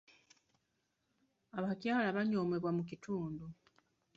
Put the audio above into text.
Abakyala banyoomebwa mu kitundu.